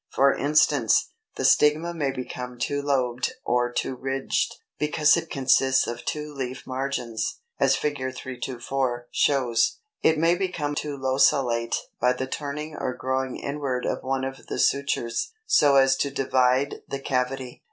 For instance, the stigma may become two lobed or two ridged, because it consists of two leaf margins, as Fig. 324 shows; it may become 2 locellate by the turning or growing inward of one of the sutures, so as to divide the cavity.